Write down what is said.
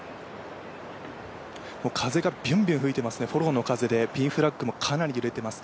風がビュンビュン吹いていますね、フォローの風でピンフラッグもかなり揺れています。